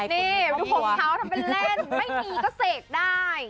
นี่ดูของเขาทำเป็นเล่นไม่มีก็เสกได้